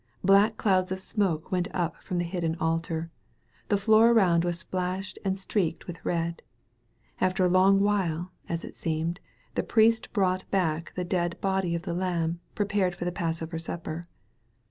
Black clouds of smoke went up from the hidden altar; the floor around was splashed and streaked with red. After a long while, as it seemed, the priest brought back the dead body of the lamb, prepared for the, Pass over supper.